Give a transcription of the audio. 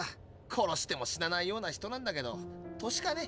殺しても死なないような人だけど年かね？